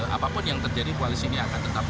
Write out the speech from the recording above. apapun yang terjadi koalisi ini akan tetap